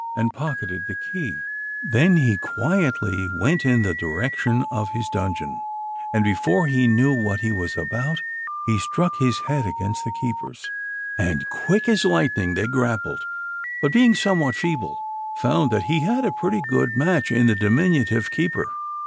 and pocketed the key ^ then he quietly»went in the direction of his dungeon, and before he knew what he was about he struck his head against the keeper's, and quick as lightning they grappled, but being somewhat feeble, found that he had a pretty good match in the diminutive keeper.